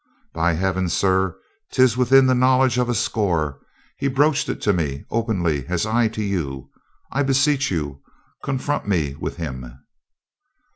"By Heaven, sir, 'tis within the knowledge of a score. He broached it to me openly as I to you. I beseech you, confront me with him."